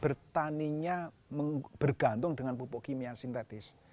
bertaninya bergantung dengan pupuk kimia sintetis